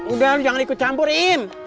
udah lu jangan ikut campur im